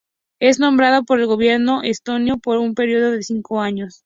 Es nombrado por el Gobierno estonio por un período de cinco años.